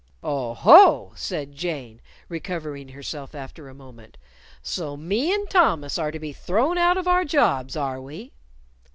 "Oh ho!" said Jane, recovering herself after a moment. "So me and Thomas are to be thrown out of our jobs, are we?"